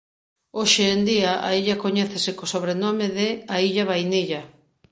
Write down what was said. Hoxe en día a illa coñécese co sobrenome de «a illa vainilla».